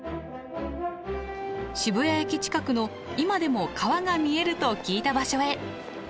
渋谷駅近くの今でも川が見えると聞いた場所へ。